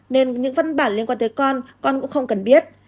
nên những văn bản liên quan tới con con cũng không cần biết